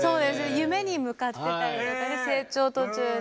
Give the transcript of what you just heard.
夢に向かってたりとかね成長途中の。